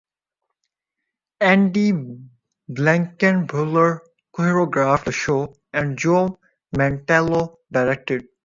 Andy Blankenbuehler choreographed the show, and Joe Mantello directed.